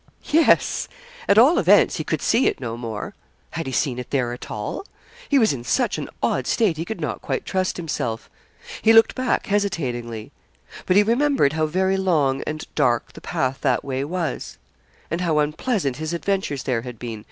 Yes. At all events, he could see it no more. Had he seen it there at all? He was in such an odd state he could not quite trust himself. He looked back hesitatingly. But he remembered how very long and dark the path that way was, and how unpleasant his adventures there had been.